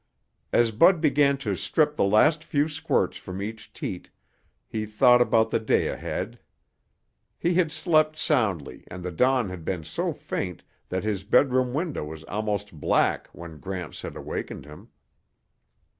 As Bud began to strip the last few squirts from each teat, he thought about the day ahead. He had slept soundly and the dawn had been so faint that his bedroom window was almost black when Gramps had awakened him.